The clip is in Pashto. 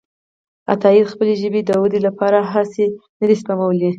عطاييد خپلې ژبې د ودې لپاره هڅې نه دي سپمولي.